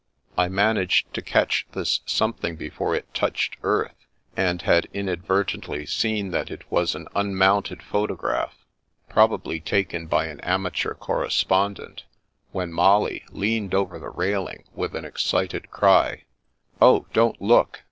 I managed to catch this something before it touched earth, and had inadvertently seen that it was an unmounted photograph, probably taken by an amateur correspondent, when Molly leaned over the railing, with an excited cry, " Oh, don't look.